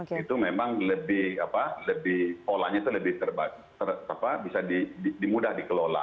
itu memang polanya lebih mudah dikelola